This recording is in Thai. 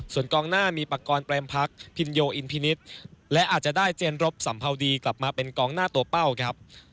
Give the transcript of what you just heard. ส่วนกองหน้ามีปากกรณ์แปรมพักพินโยอินพินิษฐ์และอาจจะได้เจนรบสัมภาวดีกลับมาเป็นกองหน้าตัวเป้าครับ